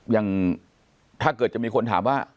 อย่างถ้าเกิดจะมีคนถามว่า